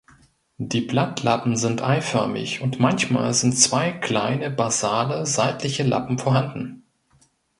Die Blattlappen sind eiförmig und manchmal sind zwei kleine basale, seitliche Lappen vorhanden.